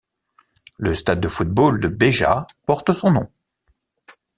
Le stade de football de Béja porte son nom.